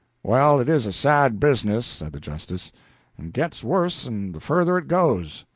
"Well, it is a bad business," said the Justice, "and gets worse the further it goes.